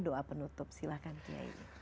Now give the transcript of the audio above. doa penutup silahkan qiyai